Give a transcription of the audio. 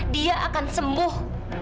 dia akan sembuh